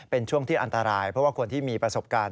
เป็นช่วงที่อันตรายเพราะว่าคนที่มีประสบการณ์